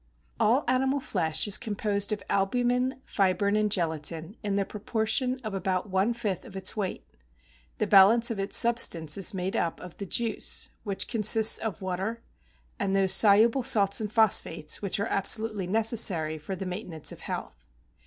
All animal flesh is composed of albumen, fibrin, and gelatin, in the proportion of about one fifth of its weight; the balance of its substance is made up of the juice, which consists of water, and those soluble salts and phosphates which are absolutely necessary for the maintenance of health.